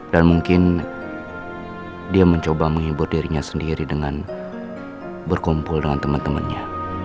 dan mungkin dia mencoba menghibur dirinya sendiri dengan berkumpul dengan temen temennya